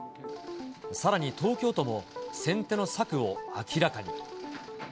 さらに東京都も先手の策を明らかに。